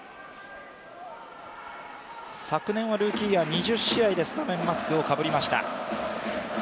昨年はルーキーイヤー２０試合でスタメンマスクをかぶりました。